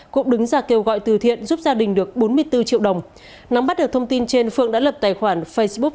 cũng đứng ra kêu gọi từ thiện giúp gia đình được bốn mươi bốn triệu đồng nắm bắt được thông tin trên phượng đã lập tài khoản facebook